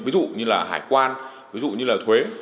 ví dụ như hải quan ví dụ như thuế